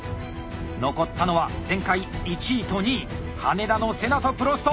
残ったのは前回１位と２位羽田のセナとプロスト！